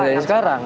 mulai dari sekarang